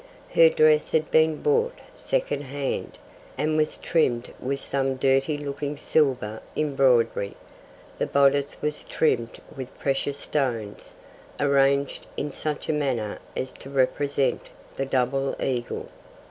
Her dress had been bought second hand, and was trimmed with some dirty looking silver embroidery; the bodice was trimmed with precious stones, arranged in such a manner as to represent the double eagle.